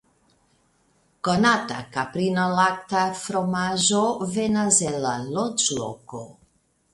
Konata kaprinolakta fromaĝo venas el la loĝloko.